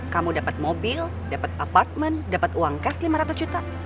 kamu dapat mobil dapat apartment dapat uang cash lima ratus juta